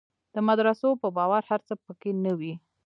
د مدرسو په باور هر څه په کې نه وي.